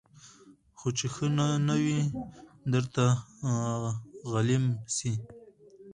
خو چي ښه نه وي درته غلیم سي